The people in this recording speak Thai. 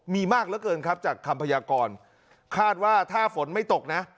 มีมากเหลือเกินครับจากคำพยากรคาดว่าถ้าฝนไม่ตกนะ